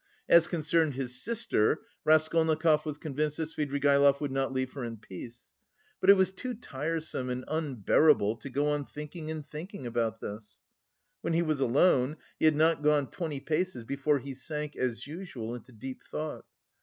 As concerned his sister, Raskolnikov was convinced that Svidrigaïlov would not leave her in peace. But it was too tiresome and unbearable to go on thinking and thinking about this. When he was alone, he had not gone twenty paces before he sank, as usual, into deep thought.